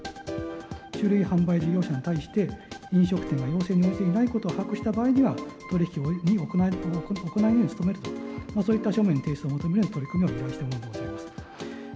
酒類販売事業者に対して、飲食店が要請に応じていないことを把握した場合には、取り引きを行わないように努めると、そういった書面の提出を求める取り組みを依頼したものでございます。